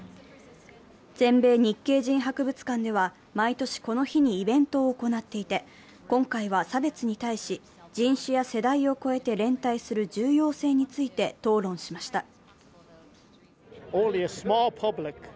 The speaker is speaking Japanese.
全米日系人博物館では毎年この日にイベントを行っていて、今回は差別に対し、人種や世代を超えて連帯する重要性について討論しました。